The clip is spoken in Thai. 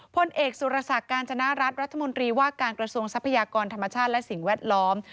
พลเอกสุรศักดิ์การจนรัฐรัฐมนตรีว่าการกระทรวงทรัพยากรธรรมชาติและสิ่งแวดล้อม